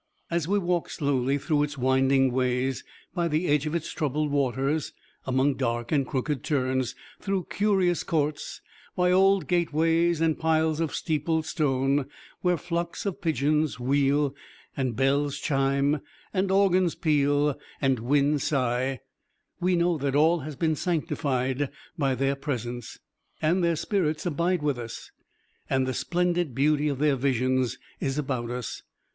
As we walk slowly through its winding ways, by the edge of its troubled waters, among dark and crooked turns, through curious courts, by old gateways and piles of steepled stone, where flocks of pigeons wheel, and bells chime, and organs peal, and winds sigh, we know that all has been sanctified by their presence. And their spirits abide with us, and the splendid beauty of their visions is about us.